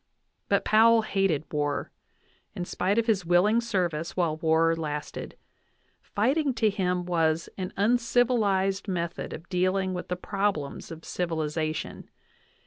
But Powell hated war, in spite of his willing service while war lasted; fighting was to him an uncivilized method of dealing with the problems of civilization.